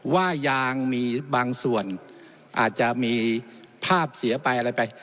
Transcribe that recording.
ว่ายางมีบางส่วนอาจจะมีภาพเสียไปอะไรไป